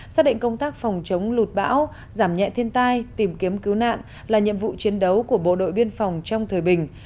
xác định công tác phòng chống lụt bão giảm nhẹ thiên tai tìm kiếm cứu nạn là nhiệm vụ chiến đấu của bộ đội biên phòng trong thời bình